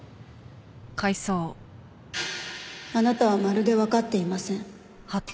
あなたはまるでわかっていません。